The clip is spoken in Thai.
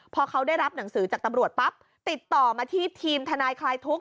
พอเขาได้รับหนังสือจากตำรวจปั๊บติดต่อมาที่ทีมทนายคลายทุกข